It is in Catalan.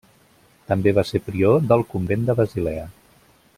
També va ser prior del convent de Basilea.